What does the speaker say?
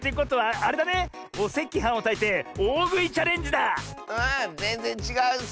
あぜんぜんちがうッス！